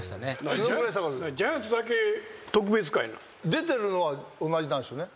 出てるのは同じなんですよね。